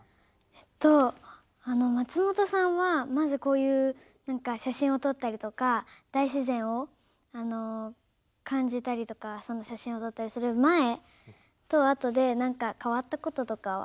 えっと松本さんはまずこういう写真を撮ったりとか大自然を感じたりとか写真を撮ったりする前と後で何か変わったこととかはありましたか？